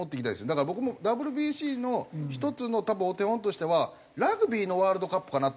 だから僕もＷＢＣの１つの多分お手本としてはラグビーのワールドカップかなと思ってるんですよね。